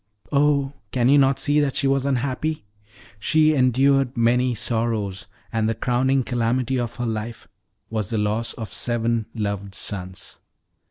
"Oh, can you not see that she was unhappy! She endured many sorrows, and the crowning calamity of her life was the loss of seven loved sons.